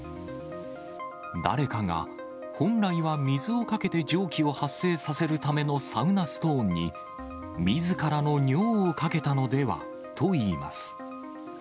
誰かが、本来は水をかけて蒸気を発生させるためのサウナストーンに、みずからの尿をかけたのではといいます。